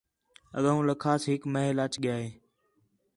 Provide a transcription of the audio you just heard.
اڳوں لَکھاس ہِک محل اَچ ڳِیا ہِے